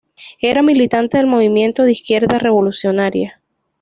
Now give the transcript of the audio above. Era militante del Movimiento de Izquierda Revolucionaria.